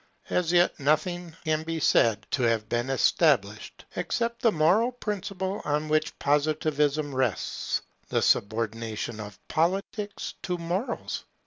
As yet nothing can be said to have been established, except the moral principle on which Positivism rests, the subordination of Politics to Morals.